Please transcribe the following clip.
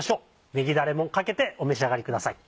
ねぎダレもかけてお召し上がりください。